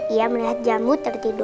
ia melihat jambu tertidur